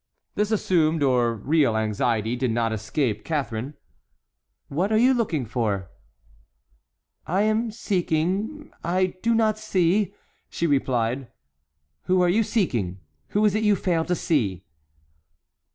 This assumed or real anxiety did not escape Catharine. "What are you looking for?" "I am seeking—I do not see"—she replied. "Whom are you seeking? Who is it you fail to see?"